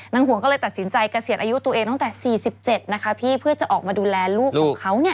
ห่วงก็เลยตัดสินใจเกษียณอายุตัวเองตั้งแต่๔๗นะคะพี่เพื่อจะออกมาดูแลลูกของเขาเนี่ย